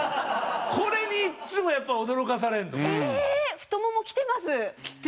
これにいっつもやっぱ驚かされんの。え？きてんのよ。